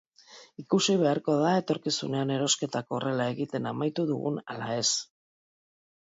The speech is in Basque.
Ikusi beharko da etorkizunean erosketak horrela egiten amaitu dugun ala ez.